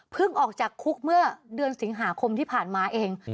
ออกจากคุกเมื่อเดือนสิงหาคมที่ผ่านมาเอง